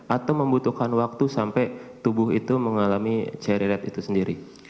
atau membutuhkan waktu sampai tubuh itu mengalami cherry red itu sendiri